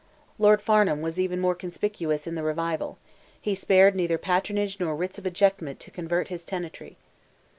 Lord Farnham was even more conspicuous in the revival; he spared neither patronage nor writs of ejectment to convert his tenantry.